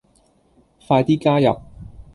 快啲加入